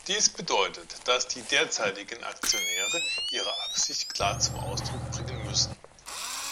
Dies bedeutet, dass die derzeitigen Aktionäre ihre Absichten klar zum Ausdruck bringen müssen.